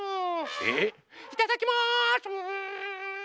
えっ⁉いただきます！